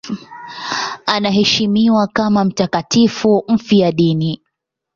Anaheshimiwa kama mtakatifu mfiadini.